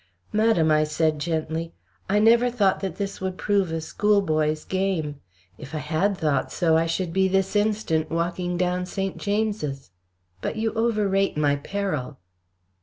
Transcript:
"Madam," I said, gently, "I never thought that this would prove a schoolboy's game. If I had thought so, I should be this instant walking down St. James's. But you overrate my peril."